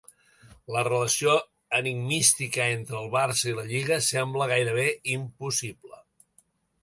La relació enigmística entre el "Barça" i la "lliga" sembla gairebé impossible.